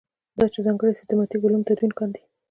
دا چې ځانګړي سیسټماټیک علوم تدوین کاندي.